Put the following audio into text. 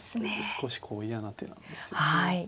少しこう嫌な手なんですよね。